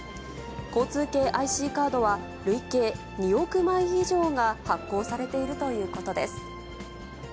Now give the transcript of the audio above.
交通系ＩＣカードは、累計２億枚以上が発行されているということです。